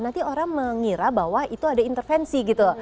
nanti orang mengira bahwa itu ada intervensi gitu